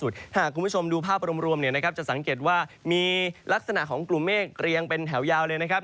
ถ้าหากคุณผู้ชมดูภาพรวมเนี่ยนะครับจะสังเกตว่ามีลักษณะของกลุ่มเมฆเรียงเป็นแถวยาวเลยนะครับ